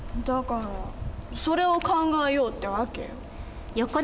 だからそれを考えようって訳よ。